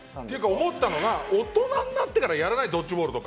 思ったのが大人になってからやらないドッジボールとか。